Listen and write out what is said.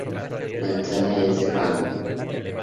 La entrada es de pago.